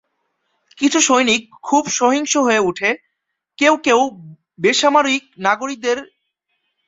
কিছু সৈনিক খুব সহিংস হয়ে উঠে; কেউ কেউ বেসামরিক নাগরিকদের বিরুদ্ধে যুদ্ধাপরাধ করে, অন্যরা তাদের নিজস্ব কর্মকর্তাদের উপর হামলা চালায়।